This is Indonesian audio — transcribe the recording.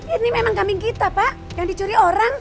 ini memang kambing kita pak yang dicuri orang